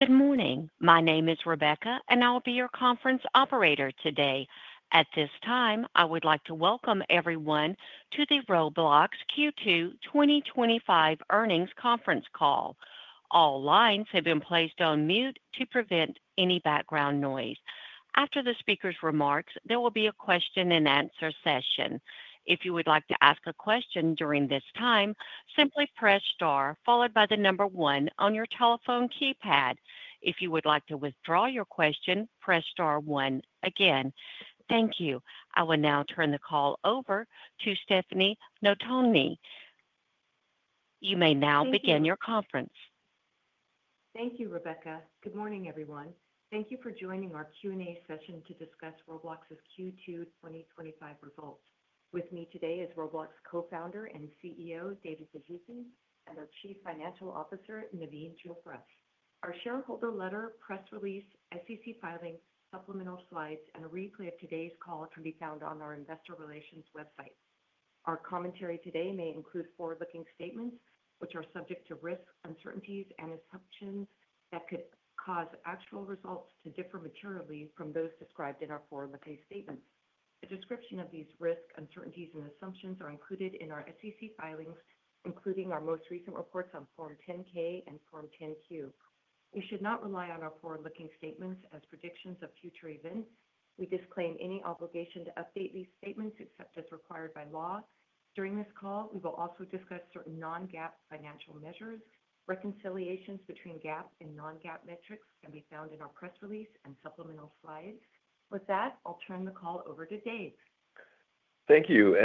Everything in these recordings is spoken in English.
Good morning. My name is Rebecca, and I'll be your conference operator today. At this time, I would like to welcome everyone to the Roblox Q2 2025 Earnings Conference Call. All lines have been placed on mute to prevent any background noise. After the speaker's remarks, there will be a question-and-answer session. If you would like to ask a question during this time, simply press star followed by the number one on your telephone keypad. If you would like to withdraw your question, press star one again. Thank you. I will now turn the call over to Stefanie Notaney. You may now begin your conference. Thank you, Rebecca. Good morning, everyone. Thank you for joining our Q&A session to discuss Roblox's Q2 2025 Results. With me today is Roblox Co-founder and CEO David Baszucki and our Chief Financial Officer, Naveen Chopra. Our shareholder letter, press release, SEC filings, supplemental slides, and a replay of today's call can be found on our investor relations website. Our commentary today may include forward-looking statements, which are subject to risk, uncertainties, and assumptions that could cause actual results to differ materially from those described in our forward-looking statements. A description of these risks, uncertainties, and assumptions is included in our SEC filings, including our most recent reports on Form 10-K and Form 10-Q. We should not rely on our forward-looking statements as predictions of future events. We disclaim any obligation to update these statements except as required by law. During this call, we will also discuss certain non-GAAP financial measures. Reconciliations between GAAP and non-GAAP metrics can be found in our press release and supplemental slides. With that, I'll turn the call over to Dave. Thank you.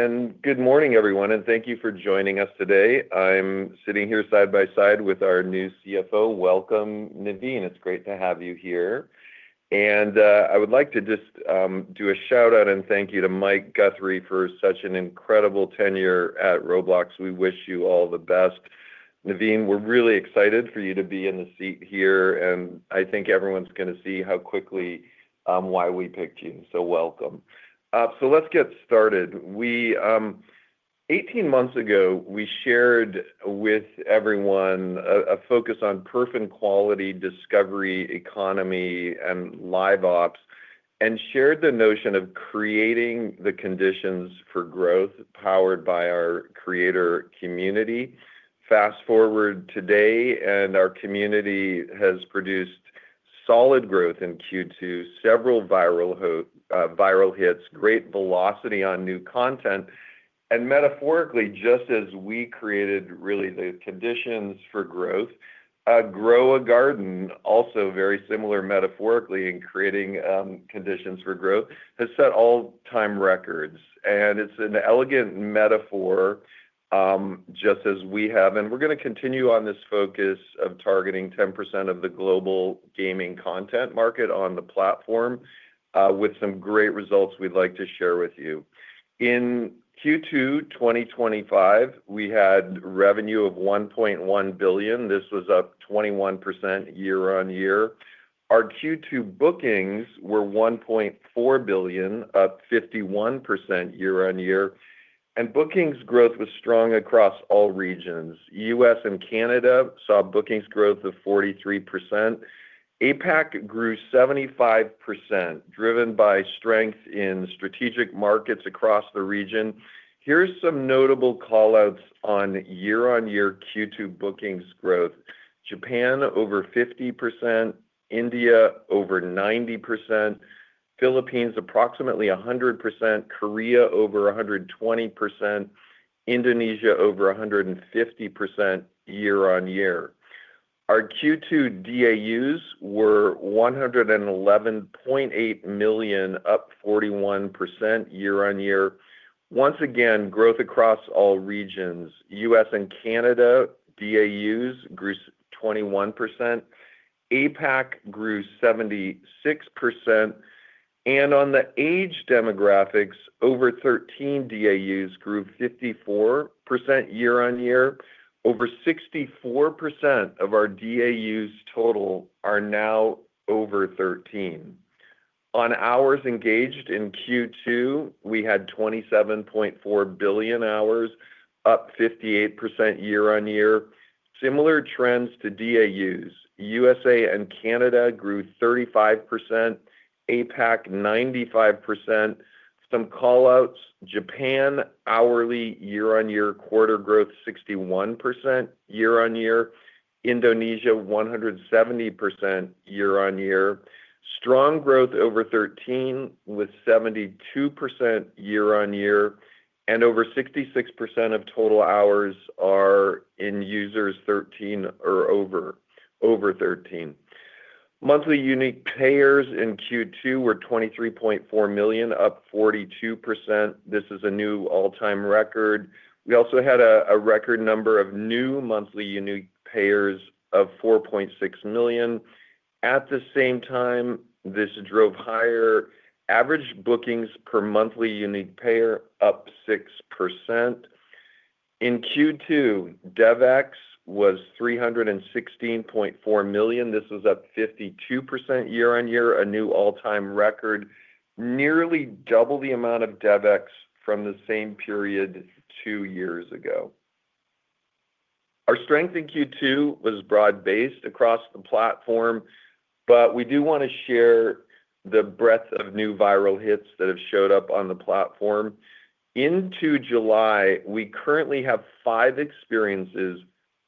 Good morning, everyone, and thank you for joining us today. I'm sitting here side by side with our new CFO. Welcome, Naveen. It's great to have you here. I would like to just do a shout-out and thank you to Mike Guthrie for such an incredible tenure at Roblox. We wish you all the best. Naveen, we're really excited for you to be in the seat here. I think everyone's going to see how quickly, why we picked you. Welcome. Let's get started. 18 months ago, we shared with everyone a focus on perf and quality, discovery, economy, and live ops, and shared the notion of creating the conditions for growth powered by our creator community. Fast forward today, and our community has produced solid growth in Q2, several viral hits, great velocity on new content. Metaphorically, just as we created really the conditions for growth, Grow a Garden, also very similar metaphorically, and creating conditions for growth has set all-time records. It's an elegant metaphor, just as we have. We're going to continue on this focus of targeting 10% of the global gaming content market on the platform with some great results we'd like to share with you. In Q2 2025, we had revenue of $1.1 billion. This was up 21% year-on-year. Our Q2 bookings were $1.4 billion, up 51% year-on-year. Bookings growth was strong across all regions. The U.S. and Canada saw bookings growth of 43%. APAC grew 75%, driven by strength in strategic markets across the region. Here are some notable callouts on year-on-year Q2 bookings growth: Japan over 50%, India over 90%, Philippines approximately 100%, Korea over 120%, Indonesia over 150% year-on-year. Our Q2 DAUs were 111.8 million, up 41% year-on-year. Once again, growth across all regions, U.S. and Canada DAUs grew 21%, APAC grew 76%. On the age demographics, over 13 DAUs grew 54% year-on-year. Over 64% of our DAUs total are now over 13. On hours engaged in Q2, we had 27.4 billion hours, up 58% year-on-year. Similar trends to DAUs, U.S. and Canada grew 35%, APAC 95%, some callouts: Japan, hourly year-on-year quarter growth 61% year-on-year, Indonesia, 170% year-on-year. Strong growth over 13 with 72% year-on-year. Over 66% of total hours are in users 13 or over. Monthly unique payers in Q2 were 23.4 million, up 42%. This is a new all-time record. We also had a record number of new monthly unique payers of 4.6 million. At the same time, this drove higher average bookings per monthly unique payer, up 6%. In Q2, DevEx was $316.4 million. This was up 52% year-over-year, a new all-time record, nearly double the amount of DevEx from the same period two years ago. Our strength in Q2 was broad-based across the platform. We do want to share the breadth of new viral hits that have showed up on the platform. Into July, we currently have five experiences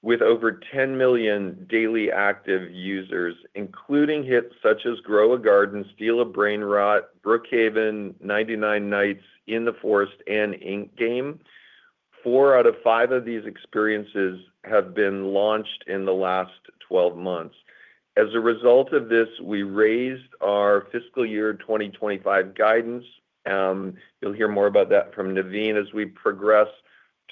with over 10 million daily active users, including hits such as "Grow a Garden", "Steal a Brainrot," "Brookhaven", "99 Nights in the Forest", and "Ink Game." Four out of five of these experiences have been launched in the last 12 months. As a result of this, we raised our fiscal year 2025 guidance. You'll hear more about that from Naveen as we progress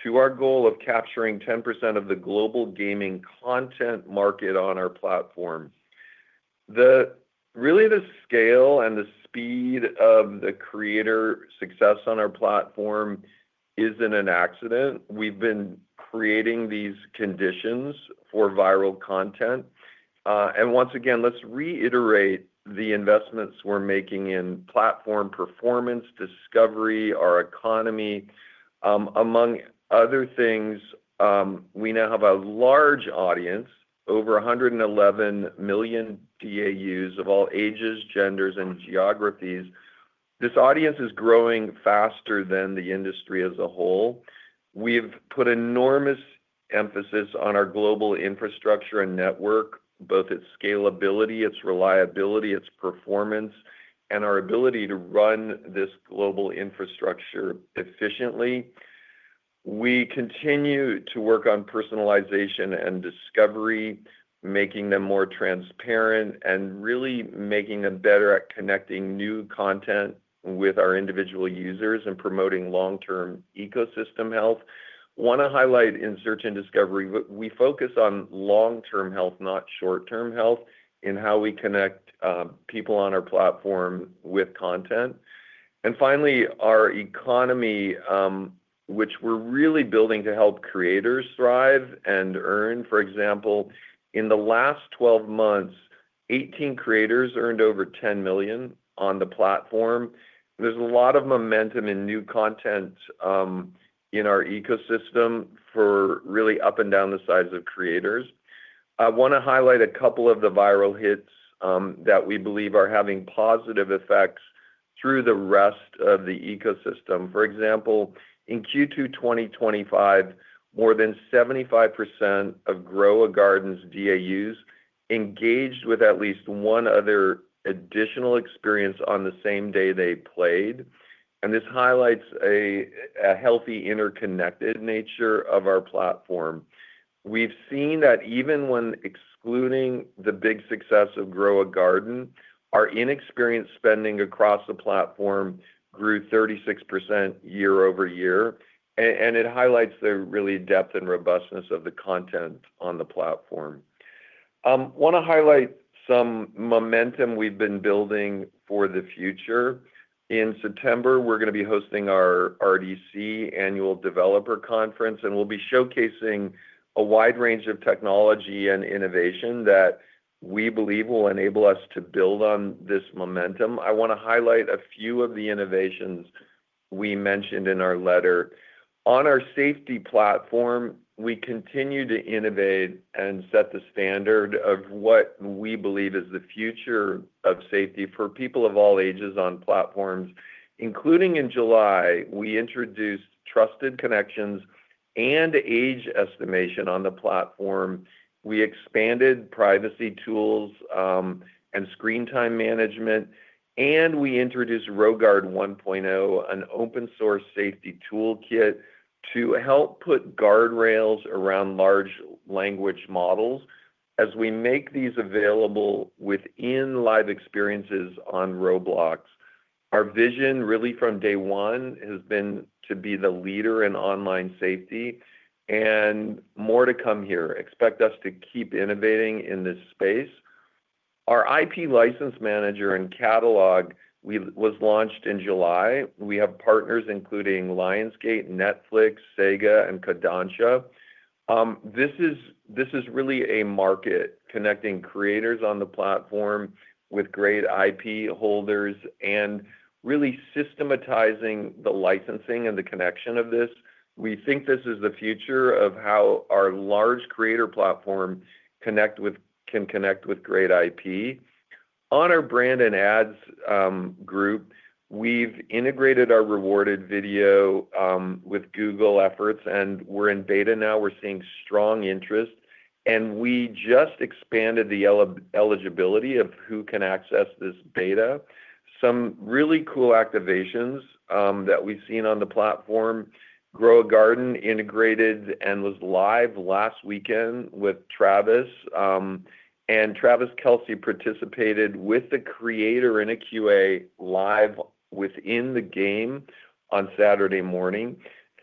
to our goal of capturing 10% of the global gaming content market on our platform. Really, the scale and the speed of the creator success on our platform isn't an accident. We've been creating these conditions for viral content. Once again, let's reiterate the investments we're making in platform performance, discovery, our economy. Among other things, we now have a large audience, over 111 million DAUs of all ages, genders, and geographies. This audience is growing faster than the industry as a whole. We've put enormous emphasis on our global infrastructure and network, both its scalability, its reliability, its performance, and our ability to run this global infrastructure efficiently. We continue to work on personalization and discovery, making them more transparent and really making them better at connecting new content with our individual users and promoting long-term ecosystem health. I want to highlight in search and discovery that we focus on long-term health, not short-term health, in how we connect people on our platform with content. Finally, our economy, which we're really building to help creators thrive and earn. For example, in the last 12 months, 18 creators earned over $10 million on the platform. There's a lot of momentum in new content in our ecosystem for really up and down the size of creators. I want to highlight a couple of the viral hits that we believe are having positive effects through the rest of the ecosystem. For example, in Q2 2025, more than 75% of "Grow a Garden's" DAUs engaged with at least one other additional experience on the same day they played. This highlights a healthy interconnected nature of our platform. We've seen that even when excluding the big success of "Grow a Garden", our in-experience spending across the platform grew 36% year-over-year. It highlights the real depth and robustness of the content on the platform. I want to highlight some momentum we've been building for the future. In September, we're going to be hosting our RDC Annual Developer Conference, and we'll be showcasing a wide range of technology and innovation that we believe will enable us to build on this momentum. I want to highlight a few of the innovations we mentioned in our letter. On our safety platform, we continue to innovate and set the standard of what we believe is the future of safety for people of all ages on platforms. In July, we introduced trusted connections and age estimation on the platform. We expanded privacy tools and screen time management. We introduced RoGuard 1.0, an open-source safety toolkit to help put guardrails around large language models as we make these available within live experiences on Roblox. Our vision, really from day one, has been to be the leader in online safety. More to come here. Expect us to keep innovating in this space. Our IP License Manager and catalog was launched in July. We have partners including Lionsgate, Netflix, SEGA, and Kodansha. This is really a market connecting creators on the platform with great IP holders and really systematizing the licensing and the connection of this. We think this is the future of how our large creator platform can connect with great IP. On our brand and ads group, we've integrated our rewarded video with Google efforts, and we're in beta now. We're seeing strong interest, and we just expanded the eligibility of who can access this beta. Some really cool activations that we've seen on the platform: "Grow a Garden" integrated and was live last weekend with Travis, and Travis Kelce participated with the creator in a Q&A live within the game on Saturday morning.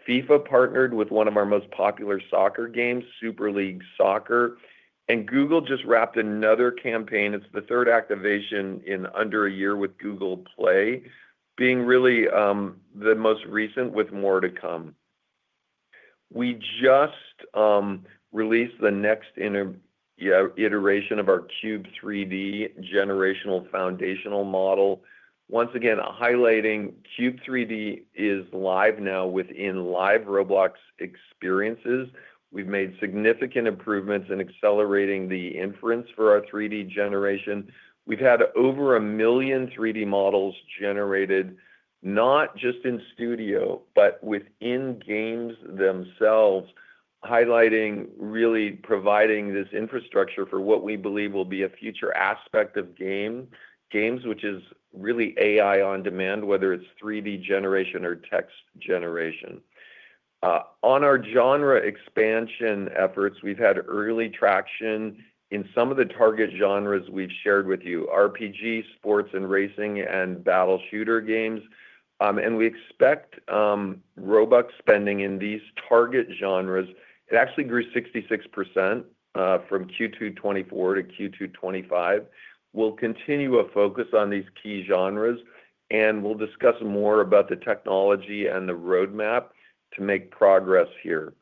FIFA partnered with one of our most popular soccer games, Super League Soccer, and Google just wrapped another campaign. It's the third activation in under a year with Google Play, being really the most recent with more to come. We just released the next iteration of our Cube 3D Generational Foundational Model, once again highlighting Cube 3D is live now within live Roblox experiences. We've made significant improvements in accelerating the inference for our 3D generation. We've had over a million 3D models generated, not just in Studio, but within games themselves, highlighting really providing this infrastructure for what we believe will be a future aspect of games, which is really AI on demand, whether it's 3D generation or text generation. On our genre expansion efforts, we've had early traction in some of the target genres we've shared with you: RPG, sports and racing, and battle shooter games. We expect Robux spending in these target genres. It actually grew 66% from Q2 2024 to Q2 2025. We'll continue to focus on these key genres, and we'll discuss more about the technology and the roadmap to make progress here.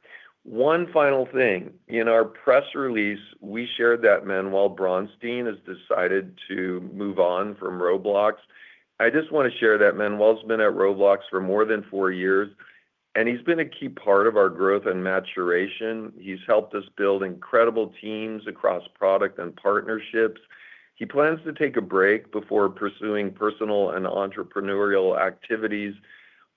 One final thing. In our press release, we shared that Manuel Bronstein has decided to move on from Roblox. I just want to share that Manuel's been at Roblox for more than four years, and he's been a key part of our growth and maturation. He's helped us build incredible teams across product and partnerships. He plans to take a break before pursuing personal and entrepreneurial activities,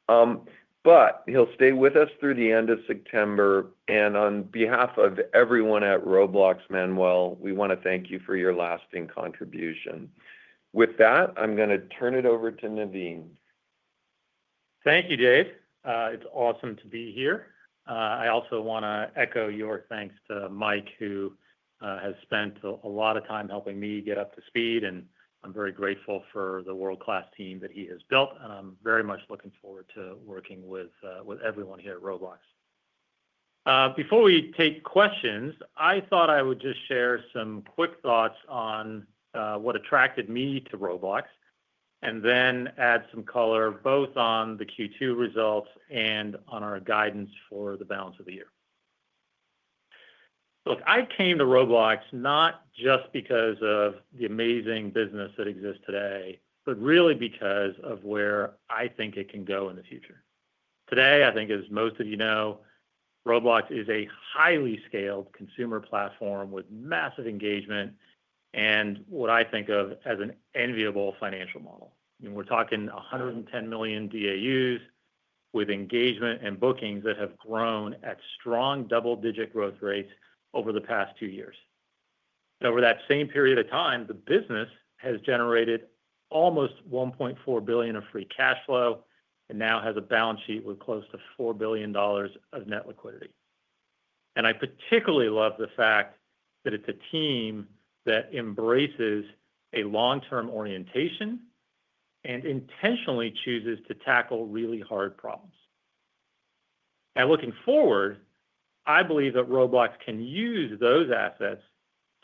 but he'll stay with us through the end of September. On behalf of everyone at Roblox, Manuel, we want to thank you for your lasting contribution. With that, I'm going to turn it over to Naveen. Thank you, Dave. It's awesome to be here. I also want to echo your thanks to Mike, who has spent a lot of time helping me get up to speed, and I'm very grateful for the world-class team that he has built. I'm very much looking forward to working with everyone here at Roblox. Before we take questions, I thought I would just share some quick thoughts on what attracted me to Roblox and then add some color both on the Q2 results and on our guidance for the balance of the year. I came to Roblox not just because of the amazing business that exists today, but really because of where I think it can go in the future. Today, I think, as most of you know, Roblox is a highly scaled consumer platform with massive engagement and what I think of as an enviable financial model. We're talking 110 million DAU with engagement and bookings that have grown at strong double-digit growth rates over the past two years. Over that same period of time, the business has generated almost $1.4 billion of free cash flow and now has a balance sheet with close to $4 billion of net liquidity. I particularly love the fact that it's a team that embraces a long-term orientation and intentionally chooses to tackle really hard problems. Now, looking forward, I believe that Roblox can use those assets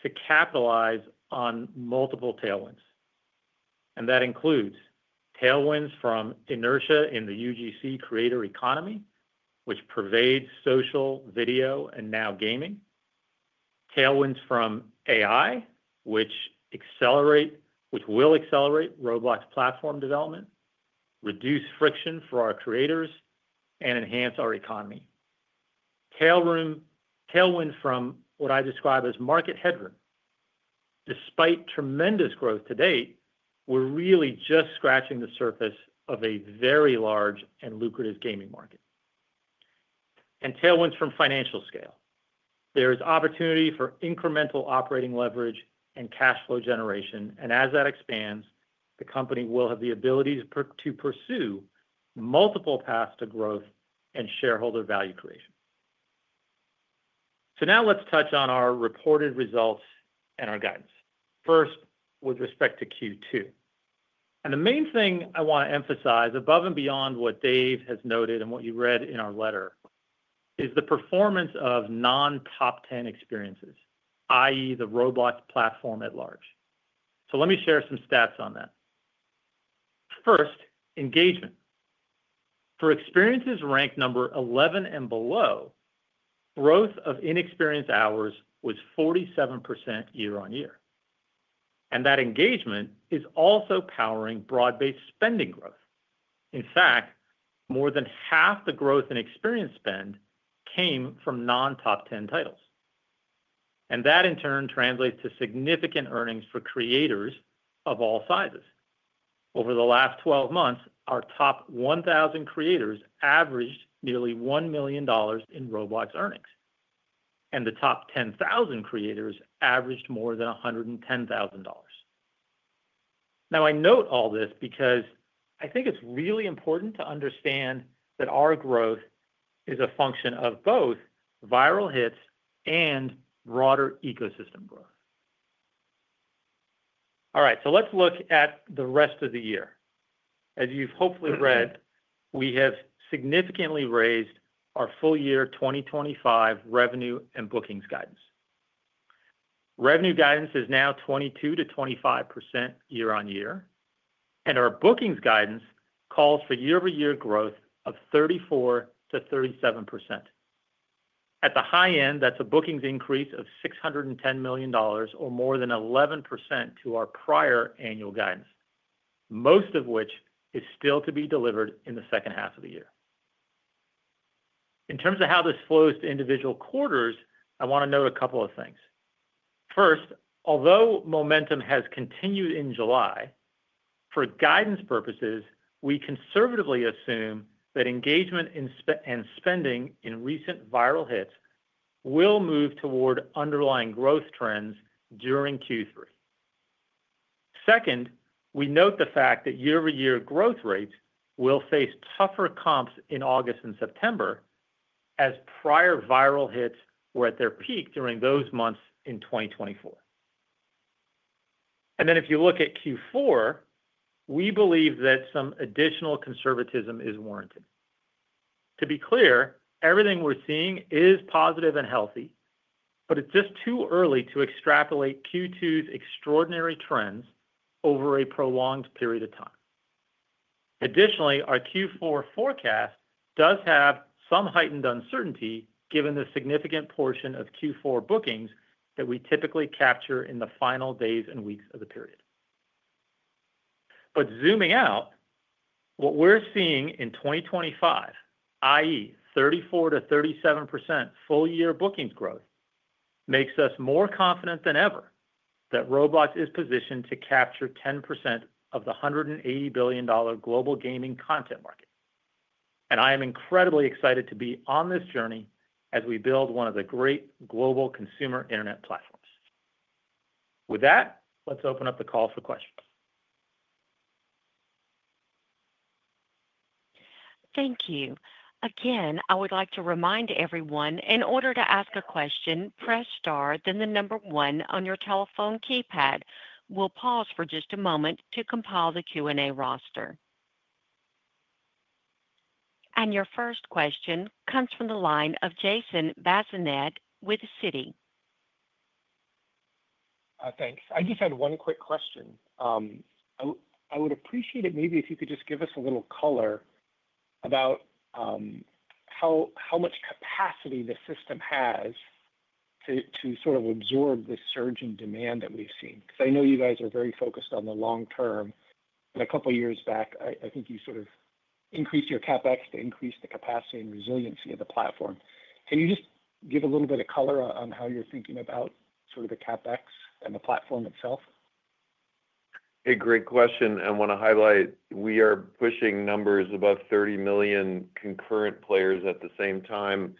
to capitalize on multiple tailwinds. That includes tailwinds from inertia in the UGC creator economy, which pervades social, video, and now gaming. Tailwinds from AI, which will accelerate Roblox platform development, reduce friction for our creators, and enhance our economy. Tailwinds from what I describe as market headroom. Despite tremendous growth to date, we're really just scratching the surface of a very large and lucrative gaming market. Tailwinds from financial scale. There is opportunity for incremental operating leverage and cash flow generation. As that expands, the company will have the ability to pursue multiple paths to growth and shareholder value creation. Now let's touch on our reported results and our guidance. First, with respect to Q2. The main thing I want to emphasize, above and beyond what Dave has noted and what you read in our letter, is the performance of non-top 10 experiences, i.e., the Roblox platform at large. Let me share some stats on that. First, engagement. For experiences ranked number 11 and below, growth of inexperienced hours was 47% year on year. That engagement is also powering broad-based spending growth. In fact, more than half the growth in experience spend came from non-top 10 titles. That, in turn, translates to significant earnings for creators of all sizes. Over the last 12 months, our top 1,000 creators averaged nearly $1 million in Roblox earnings. The top 10,000 creators averaged more than $110,000. I note all this because I think it's really important to understand that our growth is a function of both viral hits and broader ecosystem growth. All right, let's look at the rest of the year. As you've hopefully read, we have significantly raised our full year 2025 revenue and bookings guidance. Revenue guidance is now 22%-25% year on year. Our bookings guidance calls for year-over-year growth of 34%-37%. At the high end, that's a bookings increase of $610 million, or more than 11% to our prior annual guidance, most of which is still to be delivered in the second half of the year. In terms of how this flows to individual quarters, I want to note a couple of things. First, although momentum has continued in July, for guidance purposes, we conservatively assume that engagement and spending in recent viral hits will move toward underlying growth trends during Q3. Second, we note the fact that year-over-year growth rates will face tougher comps in August and September, as prior viral hits were at their peak during those months in 2024. If you look at Q4, we believe that some additional conservatism is warranted. To be clear, everything we're seeing is positive and healthy, but it's just too early to extrapolate Q2's extraordinary trends over a prolonged period of time. Additionally, our Q4 forecast does have some heightened uncertainty given the significant portion of Q4 bookings that we typically capture in the final days and weeks of the period. Zooming out, what we're seeing in 2025, i.e., 34%-37% full-year bookings growth, makes us more confident than ever that Roblox is positioned to capture 10% of the $180 billion global gaming content market. I am incredibly excited to be on this journey as we build one of the great global consumer internet platforms. With that, let's open up the call for questions. Thank you. Again, I would like to remind everyone, in order to ask a question, press star, then the number one on your telephone keypad. We'll pause for just a moment to compile the Q&A roster. Your first question comes from the line of Jason Bazinet with Citi. Thanks. I just had one quick question. I would appreciate it maybe if you could just give us a little color about how much capacity the system has to sort of absorb the surge in demand that we've seen, because I know you guys are very focused on the long term. A couple of years back, I think you sort of increased your CapEx to increase the capacity and resiliency of the platform. Can you just give a little bit of color on how you're thinking about sort of the CapEx and the platform itself? A great question. I want to highlight we are pushing numbers above 30 million concurrent players at the same time,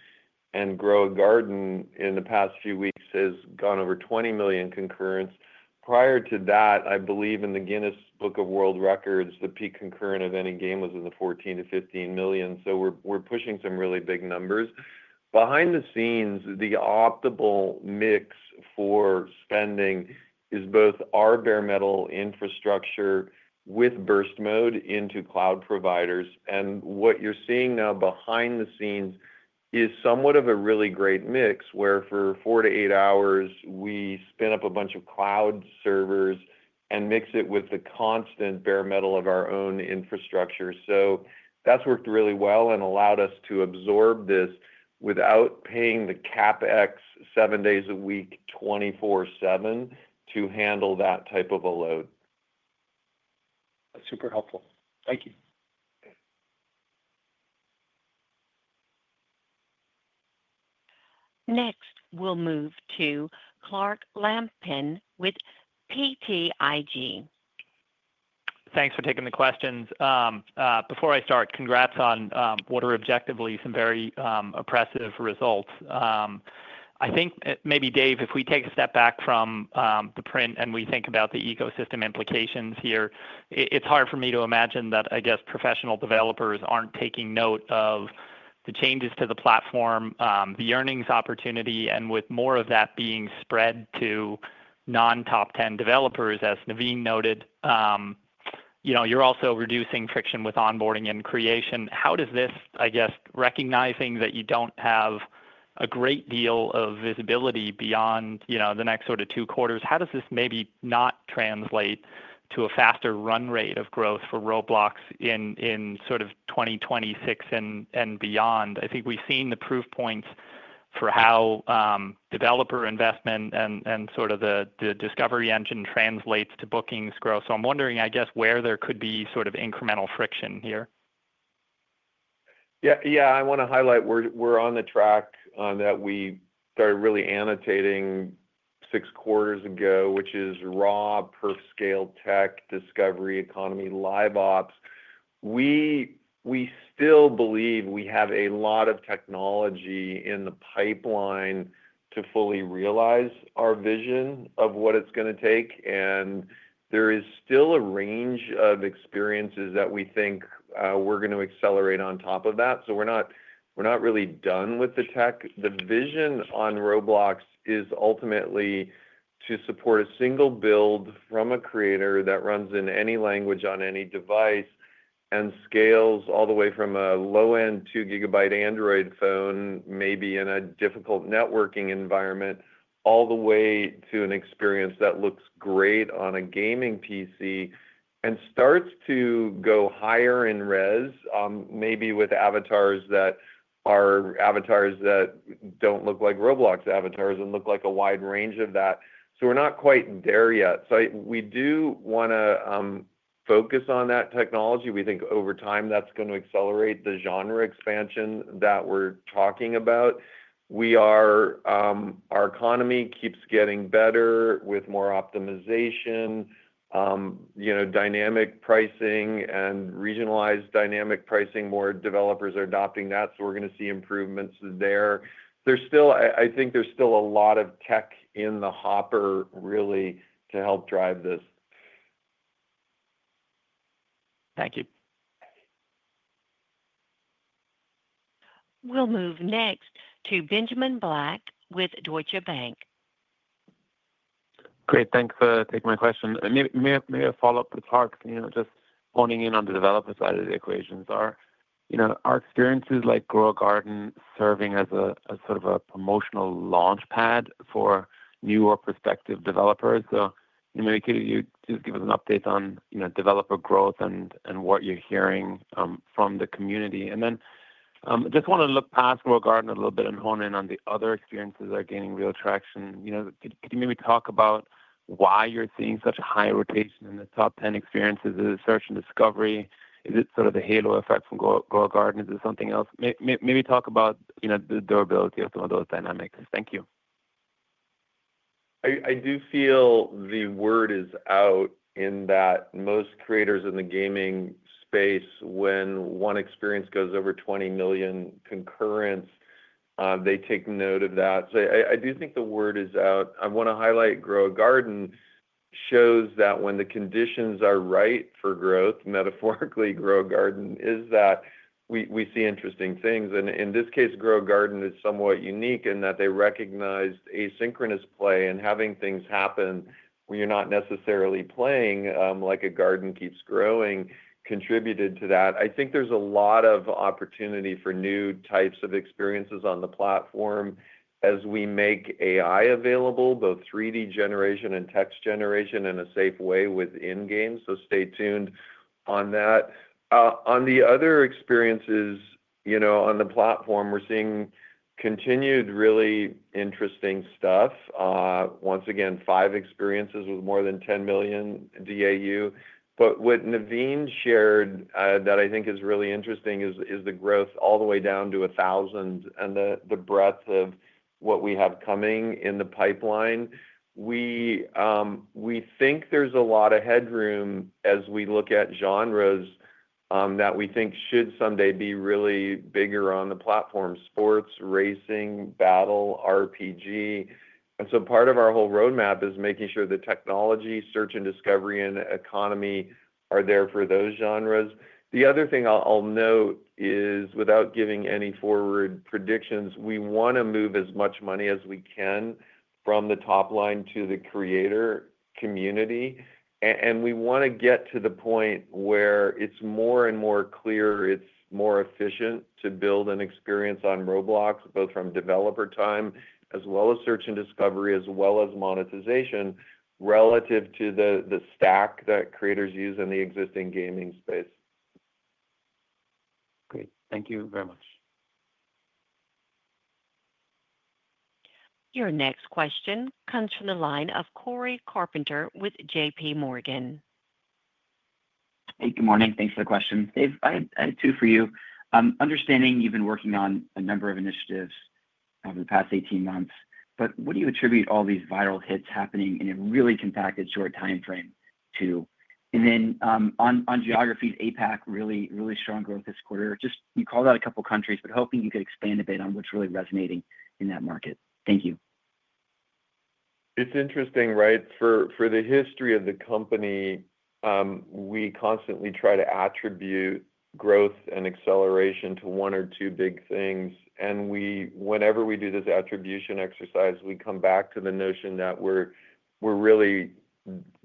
and Grow a Garden in the past few weeks has gone over 20 million concurrents. Prior to that, I believe in the Guinness Book of World Records, the peak concurrent of any game was in the 14 million-15 million. We're pushing some really big numbers. Behind the scenes, the optimal mix for spending is both our bare metal infrastructure with burst mode into cloud providers. What you're seeing now behind the scenes is somewhat of a really great mix where for four to eight hours, we spin up a bunch of cloud servers and mix it with the constant bare metal of our own infrastructure. That's worked really well and allowed us to absorb this without paying the CapEx seven days a week, 24/7, to handle that type of a load. That's super helpful. Thank you. Next, we'll move to Clark Lampen with BTIG. Thanks for taking the questions. Before I start, congrats on what are objectively some very impressive results. I think maybe, Dave, if we take a step back from the print and we think about the ecosystem implications here, it's hard for me to imagine that, I guess, professional developers aren't taking note of the changes to the platform, the earnings opportunity, and with more of that being spread to non-top 10 developers, as Naveen noted. You're also reducing friction with onboarding and creation. How does this, I guess, recognizing that you don't have a great deal of visibility beyond the next sort of two quarters, how does this maybe not translate to a faster run rate of growth for Roblox in sort of 2026 and beyond? I think we've seen the proof points for how developer investment and sort of the discovery engine translates to bookings growth. I'm wondering where there could be sort of incremental friction here. I want to highlight we're on the track that we started really annotating six quarters ago, which is raw perf-scale tech, discovery economy, live ops. We still believe we have a lot of technology in the pipeline to fully realize our vision of what it's going to take. There is still a range of experiences that we think we're going to accelerate on top of that. We're not really done with the tech. The vision on Roblox is ultimately to support a single build from a creator that runs in any language on any device and scales all the way from a low-end 2 GB Android phone, maybe in a difficult networking environment, all the way to an experience that looks great on a gaming PC and starts to go higher in RES, maybe with avatars that are avatars that don't look like Roblox avatars and look like a wide range of that. We're not quite there yet. We do want to focus on that technology. We think over time that's going to accelerate the genre expansion that we're talking about. Our economy keeps getting better with more optimization. Dynamic pricing and regionalized dynamic pricing, more developers are adopting that. We're going to see improvements there. I think there's still a lot of tech in the hopper, really, to help drive this. Thank you. We'll move next to Benjamin Black with Deutsche Bank. Great. Thanks for taking my question. Maybe a follow-up to Clark, just honing in on the developer side of the equations. Are experiences like "Grow a Garden" serving as a sort of a promotional launchpad for new or prospective developers? Could you just give us an update on developer growth and what you're hearing from the community? I just want to look past "Grow a Garden" a little bit and hone in on the other experiences that are gaining real traction. Could you maybe talk about why you're seeing such a high rotation in the top 10 experiences? Is it search and discovery? Is it sort of the halo effect from "Grow a Garden"? Is it something else? Maybe talk about the durability of some of those dynamics. Thank you. I do feel the word is out in that most creators in the gaming space, when one experience goes over 20 million concurrents, they take note of that. I do think the word is out. I want to highlight "Grow a Garden" shows that when the conditions are right for growth, metaphorically, "Grow a Garden" is that, we see interesting things. In this case, "Grow a Garden" is somewhat unique in that they recognized asynchronous play and having things happen when you're not necessarily playing, like a garden keeps growing, contributed to that. I think there's a lot of opportunity for new types of experiences on the platform as we make AI available, both 3D generation and text generation, in a safe way within games. Stay tuned on that. On the other experiences on the platform, we're seeing continued really interesting stuff. Once again, five experiences with more than 10 million DAU. What Naveen shared that I think is really interesting is the growth all the way down to 1,000 and the breadth of what we have coming in the pipeline. We think there's a lot of headroom as we look at genres that we think should someday be really bigger on the platform: sports, racing, battle, RPG. Part of our whole roadmap is making sure the technology, search and discovery, and economy are there for those genres. The other thing I'll note is, without giving any forward predictions, we want to move as much money as we can from the top line to the creator community. We want to get to the point where it's more and more clear, it's more efficient to build an experience on Roblox, both from developer time as well as search and discovery, as well as monetization, relative to the stack that creators use in the existing gaming space. Great. Thank you very much. Your next question comes from the line of Cory Carpenter with JPMorgan. Hey, good morning. Thanks for the question. Dave, I had two for you. Understanding you've been working on a number of initiatives over the past 18 months, what do you attribute all these viral hits happening in a really compacted short timeframe to? On geography, APAC, really, really strong growth this quarter. You called out a couple of countries, but hoping you could expand a bit on what's really resonating in that market. Thank you. It's interesting, right? For the history of the company, we constantly try to attribute growth and acceleration to one or two big things. Whenever we do this attribution exercise, we come back to the notion that we're really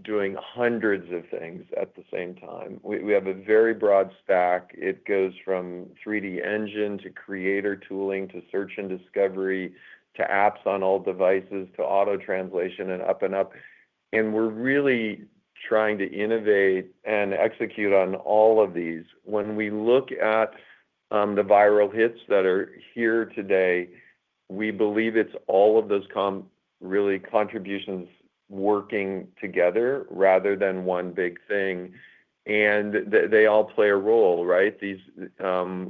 doing hundreds of things at the same time. We have a very broad stack. It goes from 3D engine to creator tooling to search and discovery to apps on all devices to auto translation and up and up. We're really trying to innovate and execute on all of these. When we look at the viral hits that are here today, we believe it's all of those contributions working together rather than one big thing. They all play a role, right?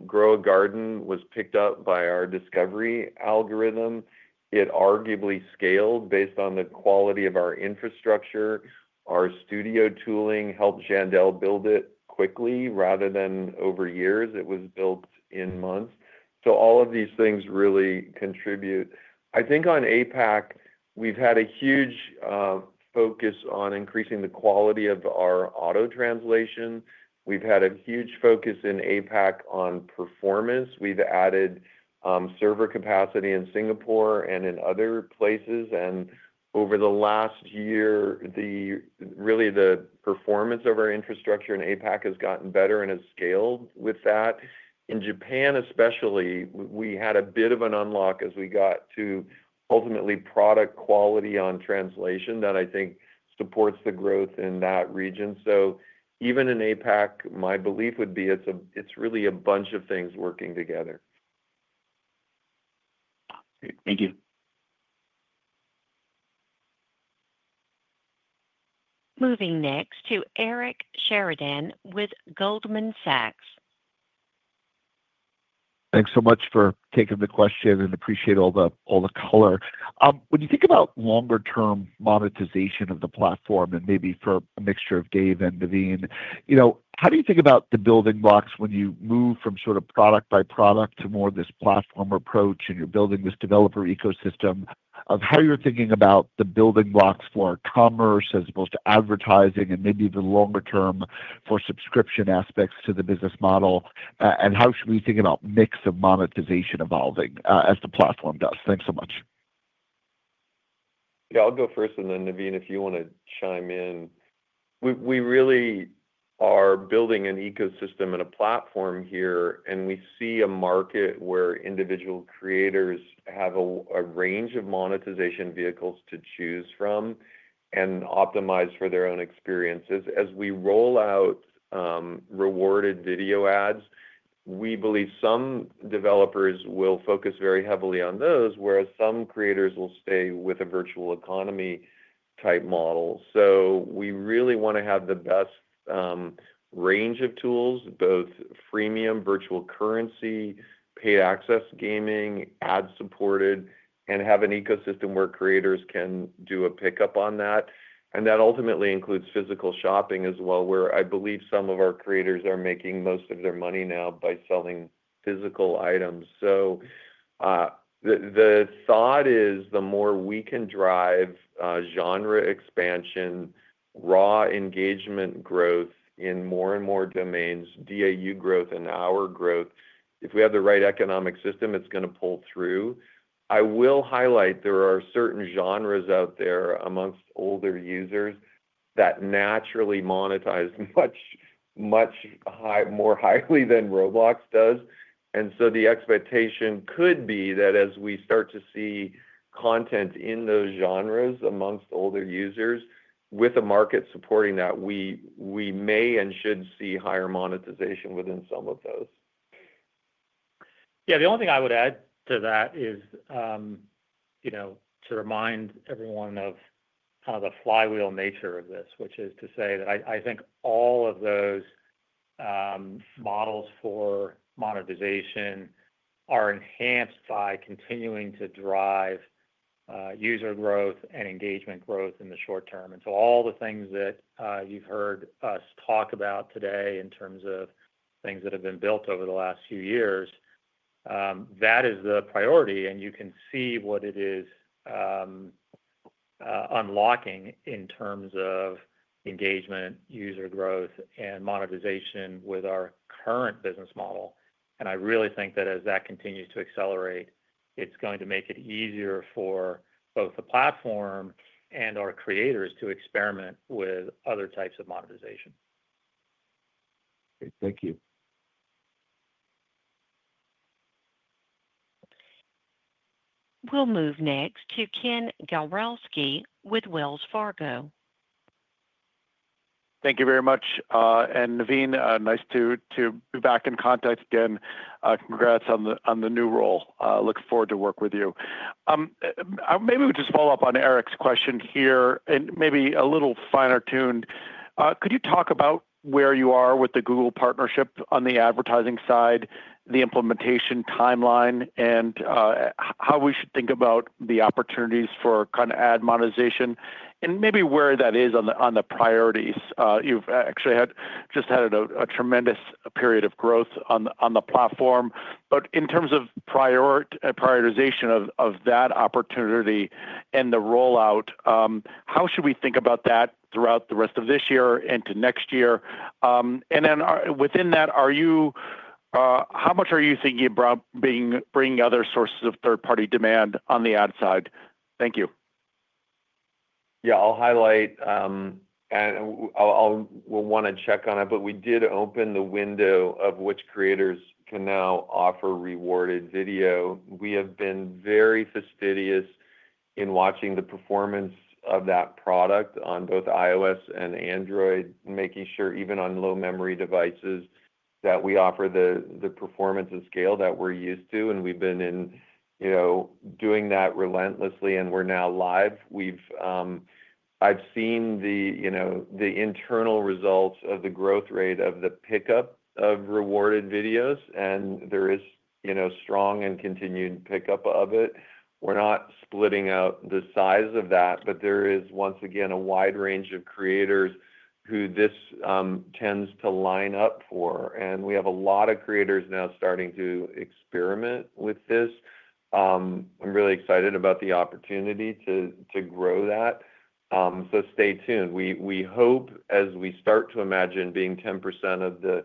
"Grow a Garden" was picked up by our discovery algorithm. It arguably scaled based on the quality of our infrastructure. Our studio tooling helped Jandel build it quickly rather than over years. It was built in months. All of these things really contribute. I think on APAC, we've had a huge focus on increasing the quality of our auto translation. We've had a huge focus in APAC on performance. We've added server capacity in Singapore and in other places. Over the last year, the performance of our infrastructure in APAC has gotten better and has scaled with that. In Japan especially, we had a bit of an unlock as we got to ultimately product quality on translation that I think supports the growth in that region. Even in APAC, my belief would be it's really a bunch of things working together. Thank you. Moving next to Eric Sheridan with Goldman Sachs. Thanks so much for taking the question and appreciate all the color. When you think about longer-term monetization of the platform and maybe for a mixture of Dave and Naveen, how do you think about the building blocks when you move from sort of product by product to more of this platform approach and you're building this developer ecosystem of how you're thinking about the building blocks for commerce as opposed to advertising and maybe the longer-term for subscription aspects to the business model? How should we think about mix of monetization evolving as the platform does? Thanks so much. Yeah, I'll go first. Naveen, if you want to chime in. We really are building an ecosystem and a platform here, and we see a market where individual creators have a range of monetization vehicles to choose from and optimize for their own experiences. As we roll out rewarded video ads, we believe some developers will focus very heavily on those, whereas some creators will stay with a virtual economy type model. We really want to have the best range of tools, both freemium, virtual currency, paid access gaming, ad-supported, and have an ecosystem where creators can do a pickup on that. That ultimately includes physical shopping as well, where I believe some of our creators are making most of their money now by selling physical items. The thought is the more we can drive genre expansion, raw engagement growth in more and more domains, DAU growth, and our growth, if we have the right economic system, it's going to pull through. I will highlight there are certain genres out there amongst older users that naturally monetize much more highly than Roblox does. The expectation could be that as we start to see content in those genres amongst older users, with a market supporting that, we may and should see higher monetization within some of those. Yeah, the only thing I would add to that is to remind everyone of kind of the flywheel nature of this, which is to say that I think all of those models for monetization are enhanced by continuing to drive user growth and engagement growth in the short term. All the things that you've heard us talk about today in terms of things that have been built over the last few years, that is the priority. You can see what it is unlocking in terms of engagement, user growth, and monetization with our current business model. I really think that as that continues to accelerate, it's going to make it easier for both the platform and our creators to experiment with other types of monetization. Thank you. We'll move next to Ken Gawrelski with Wells Fargo. Thank you very much. And Naveen, nice to be back in contact again, congrats on the new role. Look forward to working with you. Maybe we'll just follow up on Eric's question here and maybe a little finer tuned. Could you talk about where you are with the Google partnership on the advertising side, the implementation timeline, and how we should think about the opportunities for kind of ad monetization, and maybe where that is on the priorities? You've actually just had a tremendous period of growth on the platform. In terms of prioritization of that opportunity and the rollout, how should we think about that throughout the rest of this year into next year? Within that, how much are you thinking about bringing other sources of third-party demand on the ad side? Thank you. Yeah, I'll highlight. We did open the window of which creators can now offer rewarded video. We have been very fastidious in watching the performance of that product on both iOS and Android, making sure even on low-memory devices that we offer the performance and scale that we're used to. We've been doing that relentlessly, and we're now live. I've seen the internal results of the growth rate of the pickup of rewarded videos, and there is strong and continued pickup of it. We're not splitting out the size of that, but there is, once again, a wide range of creators who this tends to line up for. We have a lot of creators now starting to experiment with this. I'm really excited about the opportunity to grow that. Stay tuned. We hope, as we start to imagine being 10% of the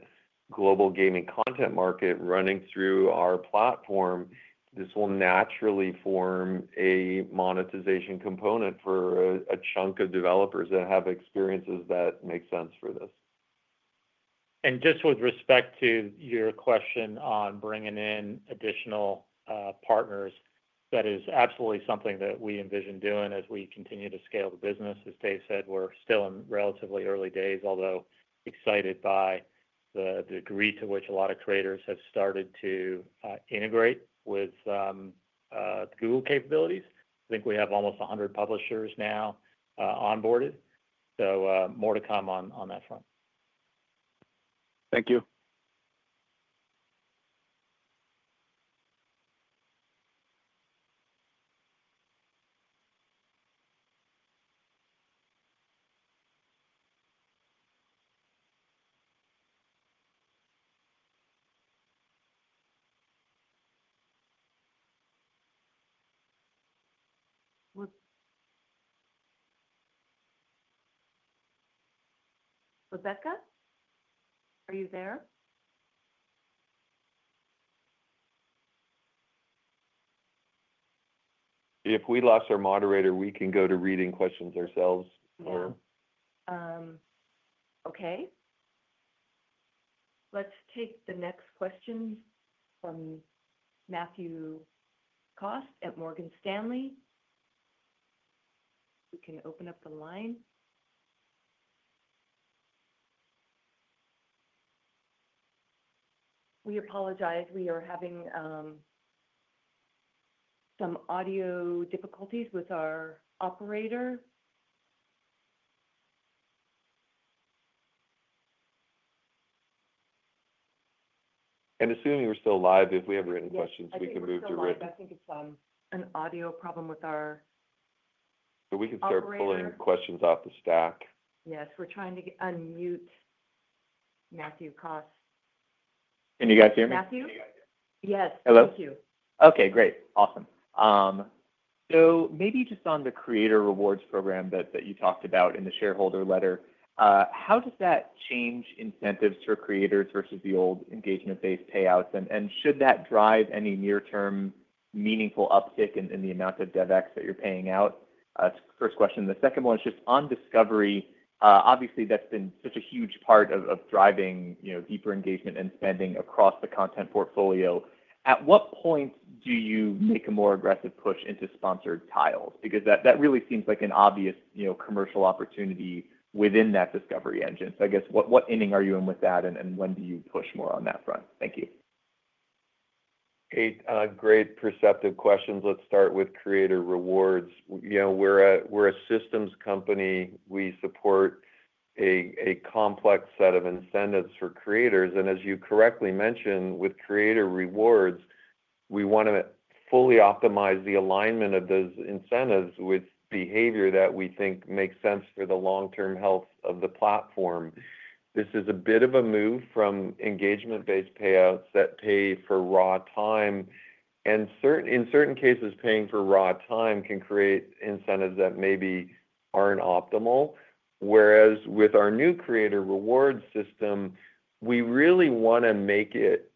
global gaming content market running through our platform, this will naturally form a monetization component for a chunk of developers that have experiences that make sense for this. Just with respect to your question on bringing in additional partners, that is absolutely something that we envision doing as we continue to scale the business. As Dave said, we're still in relatively early days, although excited by the degree to which a lot of creators have started to integrate with Google capabilities. I think we have almost 100 publishers now onboarded. More to come on that front. Thank you. Rebecca? Are you there? If we lost our moderator, we can go to reading questions ourselves. Okay. Let's take the next question from Matthew Cost at Morgan Stanley. You can open up the line. We apologize. We are having some audio difficulties with our operator. Assuming we're still live, if we have written questions, we can move to written. I think it's an audio problem with our operator. But we can start pulling questions off the stack. Yes. We're trying to unmute Matthew Cost. Can you guys hear me? Matthew? Yes. Hello? Thank you. Okay. Great. Awesome. Maybe just on the Creator Rewards Program that you talked about in the shareholder letter, how does that change incentives for creators versus the old engagement-based payouts? Should that drive any near-term meaningful uptick in the amount of DevEx that you're paying out? That's the first question. The second one is just on discovery. Obviously, that's been such a huge part of driving deeper engagement and spending across the content portfolio. At what point do you make a more aggressive push into sponsored tiles? That really seems like an obvious commercial opportunity within that discovery engine. I guess what inning are you in with that, and when do you push more on that front? Thank you. Eight great perceptive questions. Let's start with Creator Rewards. We're a systems company. We support a complex set of incentives for creators. As you correctly mentioned, with Creator Rewards, we want to fully optimize the alignment of those incentives with behavior that we think makes sense for the long-term health of the platform. This is a bit of a move from engagement-based payouts that pay for raw time. In certain cases, paying for raw time can create incentives that maybe aren't optimal. With our new Creator Rewards system, we really want to make it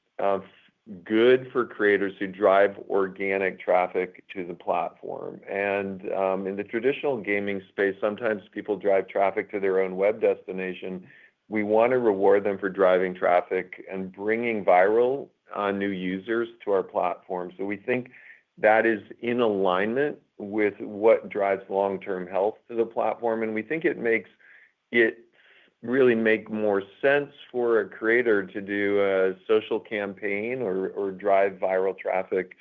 good for creators who drive organic traffic to the platform. In the traditional gaming space, sometimes people drive traffic to their own web destination. We want to reward them for driving traffic and bringing viral new users to our platform. We think that is in alignment with what drives long-term health to the platform. We think it really makes more sense for a creator to do a social campaign or drive viral traffic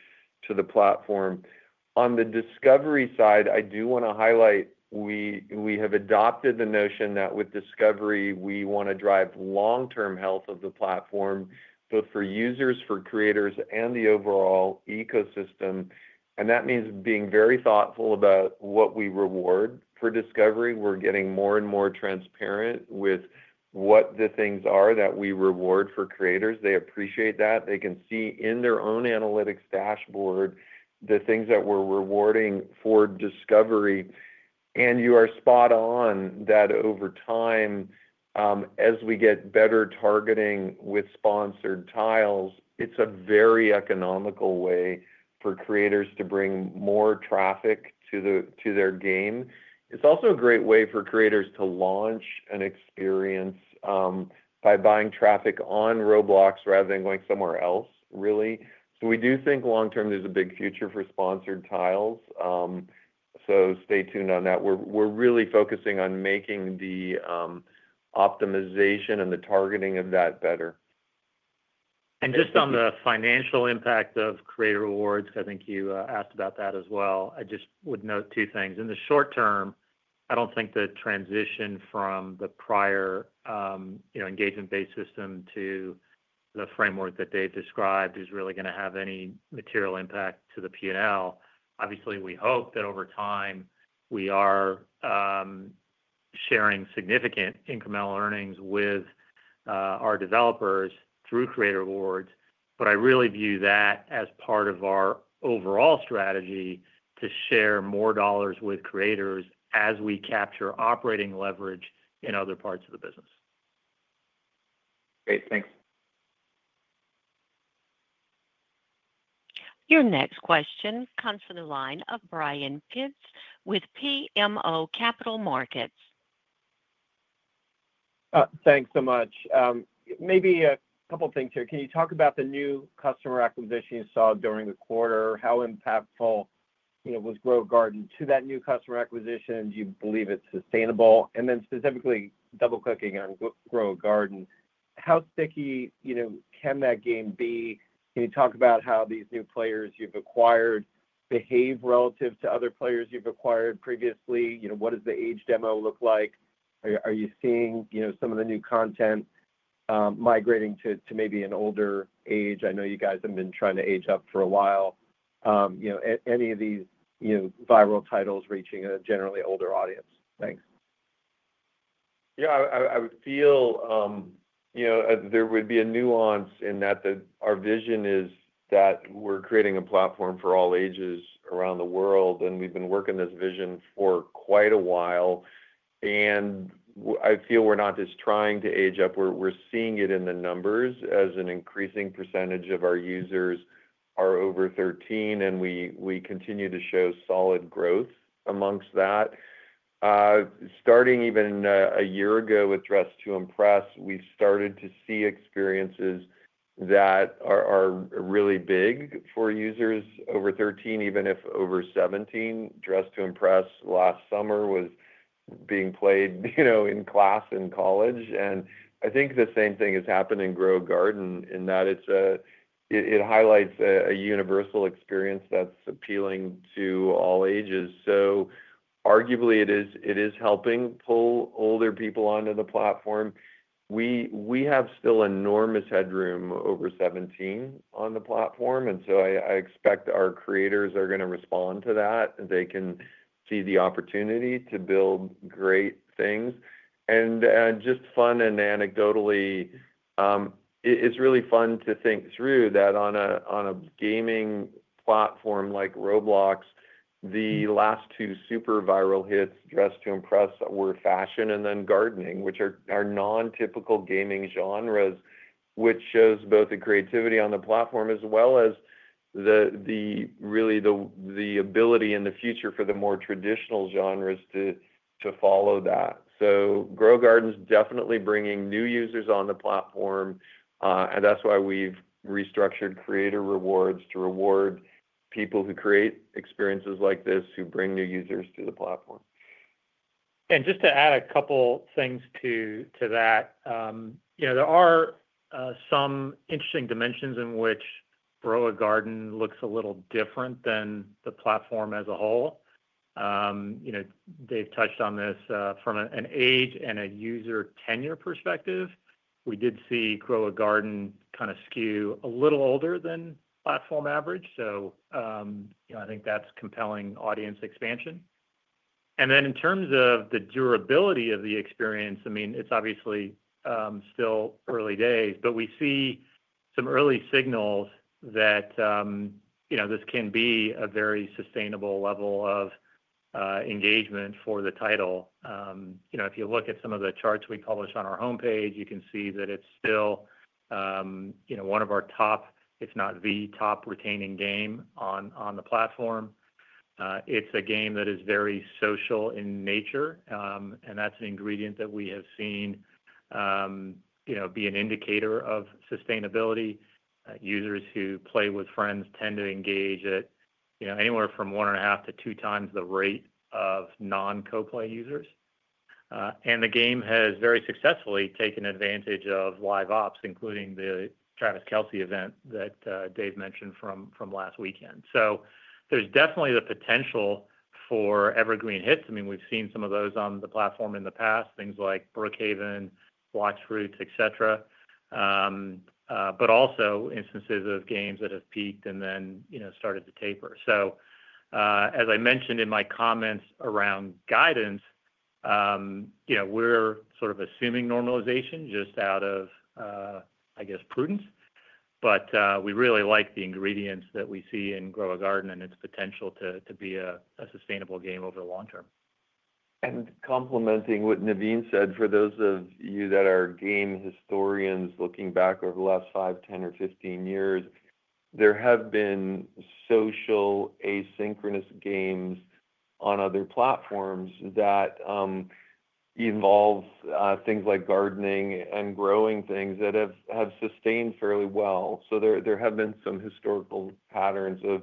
to the platform. On the discovery side, I do want to highlight we have adopted the notion that with discovery, we want to drive long-term health of the platform, both for users, for creators, and the overall ecosystem. That means being very thoughtful about what we reward for discovery. We're getting more and more transparent with what the things are that we reward for creators. They appreciate that. They can see in their own analytics dashboard the things that we're rewarding for discovery. You are spot on that over time, as we get better targeting with Sponsored Tiles, it's a very economical way for creators to bring more traffic to their game. It's also a great way for creators to launch an experience by buying traffic on Roblox rather than going somewhere else, really. We do think long-term there's a big future for Sponsored Tiles. Stay tuned on that. We're really focusing on making the optimization and the targeting of that better. Just on the financial impact of Creator Rewards, I think you asked about that as well. I would note two things. In the short term, I don't think the transition from the prior engagement-based system to the framework that they've described is really going to have any material impact to the P&L. Obviously, we hope that over time we are sharing significant incremental earnings with our developers through Creator Rewards. I really view that as part of our overall strategy to share more dollars with creators as we capture operating leverage in other parts of the business. Great. Thanks. Your next question comes from the line of Brian Gibbs with BMO Capital Markets. Thanks so much. Maybe a couple of things here. Can you talk about the new customer acquisition you saw during the quarter? How impactful was "Grow a Garden" to that new customer acquisition? Do you believe it's sustainable? Specifically, double-clicking on "Grow a Garden", how sticky can that game be? Can you talk about how these new players you've acquired behave relative to other players you've acquired previously? What does the age demo look like? Are you seeing some of the new content migrating to maybe an older age? I know you guys have been trying to age up for a while. Any of these viral titles reaching a generally older audience? Thanks. I would feel there would be a nuance in that our vision is that we're creating a platform for all ages around the world. We've been working this vision for quite a while. I feel we're not just trying to age up. We're seeing it in the numbers as an increasing percentage of our users are over 13. We continue to show solid growth amongst that. Starting even a year ago with "Dress to Impress", we started to see experiences that are really big for users over 13, even if over 17. "Dress to Impress" last summer was being played in class in college. I think the same thing is happening in "Grow a Garden" in that it highlights a universal experience that's appealing to all ages. Arguably, it is helping pull older people onto the platform. We have still enormous headroom over 17 on the platform. I expect our creators are going to respond to that. They can see the opportunity to build great things. Just fun and anecdotally, it's really fun to think through that on a gaming platform like Roblox, the last two super viral hits, "Dress to Impress", were Fashion and then Gardening, which are non-typical gaming genres, which shows both the creativity on the platform as well as really the ability in the future for the more traditional genres to follow that. "Grow a Garden's" definitely bringing new users on the platform. That's why we've restructured Creator Rewards to reward people who create experiences like this, who bring new users to the platform. Just to add a couple of things to that, there are some interesting dimensions in which "Grow a Garden" looks a little different than the platform as a whole. They've touched on this from an age and a user tenure perspective. We did see "Grow a Garden" kind of skew a little older than platform average. I think that's compelling audience expansion. In terms of the durability of the experience, it's obviously still early days, but we see some early signals that this can be a very sustainable level of engagement for the title. If you look at some of the charts we publish on our homepage, you can see that it's still one of our top, if not the top, retaining game on the platform. It's a game that is very social in nature, and that's an ingredient that we have seen be an indicator of sustainability. Users who play with friends tend to engage at anywhere from 1.5-2x the rate of non-coplay users. The game has very successfully taken advantage of live ops, including the Travis Kelce event that Dave mentioned from last weekend. There's definitely the potential for evergreen hits. We've seen some of those on the platform in the past, things like "Brookhaven", "Blox Fruits", etc., but also instances of games that have peaked and then started to taper. As I mentioned in my comments around guidance. We're sort of assuming normalization just out of, I guess, prudence. We really like the ingredients that we see in "Grow a Garden" and its potential to be a sustainable game over the long term. Complementing what Naveen said, for those of you that are game historians looking back over the last 5, 10, or 15 years, there have been social asynchronous games on other platforms that involve things like gardening and growing things that have sustained fairly well. There have been some historical patterns of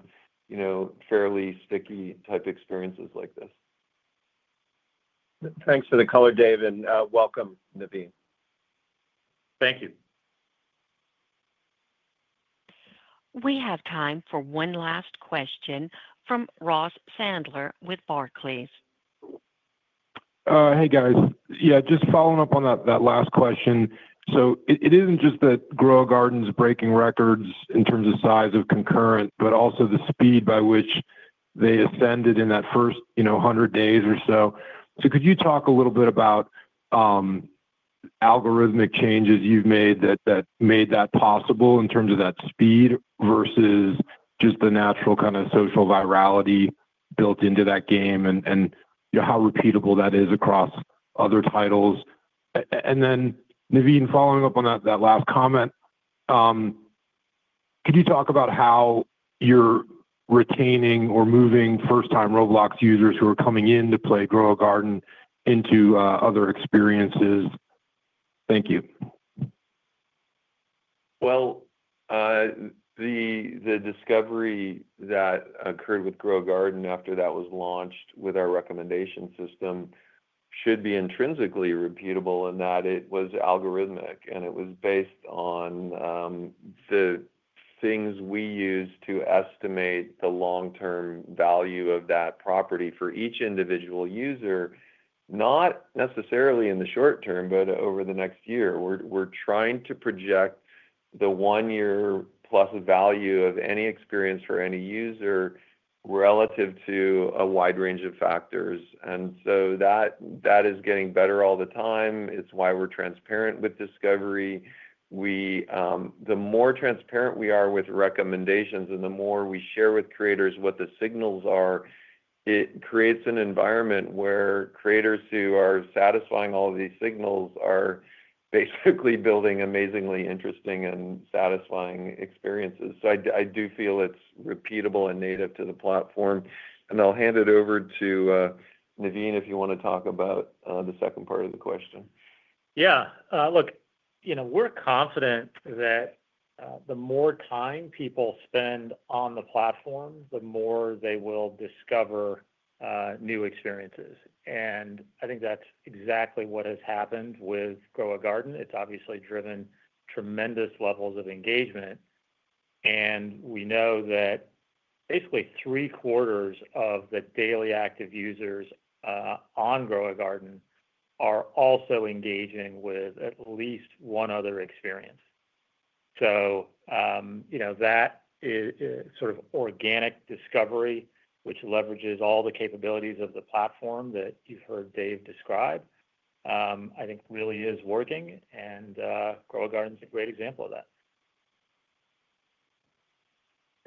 fairly sticky type experiences like this. Thanks for the color, Dave. Welcome, Naveen. Thank you. We have time for one last question from Ross Sandler with Barclays. Hey, guys. Just following up on that last question. It isn't just that 'Grow a Garden's' breaking records in terms of size of concurrent, but also the speed by which they ascended in that first 100 days or so. Could you talk a little bit about algorithmic changes you've made that made that possible in terms of that speed versus just the natural kind of social virality built into that game and how repeatable that is across other titles? Naveen, following up on that last comment, could you talk about how you're retaining or moving first-time Roblox users who are coming in to play Grow a Garden into other experiences? Thank you. The discovery that occurred with Grow a Garden after that was launched with our recommendation system should be intrinsically repeatable in that it was algorithmic. It was based on the things we use to estimate the long-term value of that property for each individual user, not necessarily in the short term, but over the next year. We're trying to project the one-year-plus value of any experience for any user relative to a wide range of factors. That is getting better all the time. It's why we're transparent with discovery. The more transparent we are with recommendations and the more we share with creators what the signals are, it creates an environment where creators who are satisfying all of these signals are basically building amazingly interesting and satisfying experiences. I do feel it's repeatable and native to the platform. I'll hand it over to Naveen if you want to talk about the second part of the question. Yeah. Look, we're confident that the more time people spend on the platform, the more they will discover new experiences. I think that's exactly what has happened with Grow a Garden. It's obviously driven tremendous levels of engagement. We know that basically three-quarters of the daily active users on Grow a Garden are also engaging with at least one other experience. That sort of organic discovery, which leverages all the capabilities of the platform that you've heard Dave describe, I think really is working. Grow a Garden is a great example of that.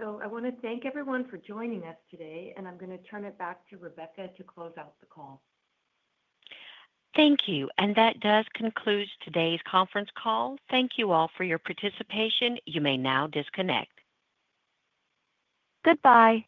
I want to thank everyone for joining us today. I'm going to turn it back to Rebecca to close out the call. Thank you. That does conclude today's conference call. Thank you all for your participation. You may now disconnect. Goodbye.